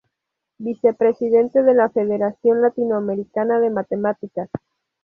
Vicepresidente de la Federación Latinoamericana de Matemáticas.